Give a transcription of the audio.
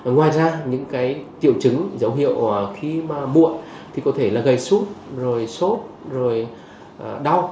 ngoài ra những triệu chứng dấu hiệu khi muộn thì có thể là gây sút sốt đau